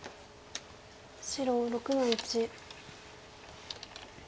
白６の一。